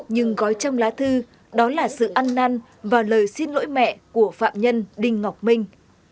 nhưng gói trong lá thư đó là sự ăn năn và lời xin lỗi mẹ của phạm nhân đinh ngọc minh